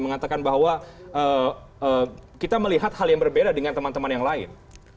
mengatakan bahwa kita melihat hal yang berbeda dengan teman teman yang lain